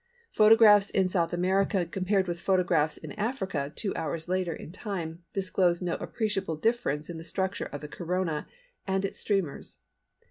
Photographs in South America compared with photographs in Africa two hours later in time disclosed no appreciable difference in the structure of the Corona and its streamers.